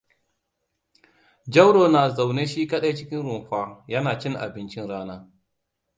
Jauroa na zaune shi kaɗai cikin rumfa, yana cin abincin rana.